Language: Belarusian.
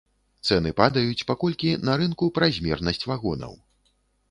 Цэны падаюць, паколькі на рынку празмернасць вагонаў.